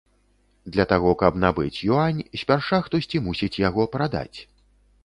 Для таго каб набыць юань, спярша хтосьці мусіць яго прадаць.